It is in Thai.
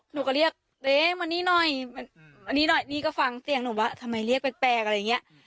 หนูก็เรียกเอ๊ะวันนี้หน่อยวันนี้หน่อยนี่ก็ฟังเสียงหนูว่าทำไมเรียกแปลกอะไรอย่างเงี้ย